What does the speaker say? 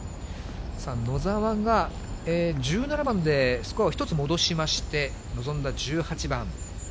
野澤が１７番でスコアを１つ戻しまして、臨んだ１８番。